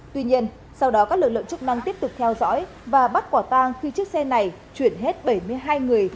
tuy nhiên sau đó các lực lượng chức năng tiếp tục theo dõi và bắt quả tang khi chiếc xe này chuyển hết bảy mươi hai người